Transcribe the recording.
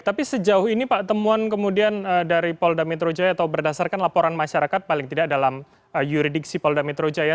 tapi sejauh ini pak temuan kemudian dari polda metro jaya atau berdasarkan laporan masyarakat paling tidak dalam yuridiksi polda metro jaya